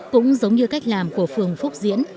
cũng giống như cách làm của phường phúc diễn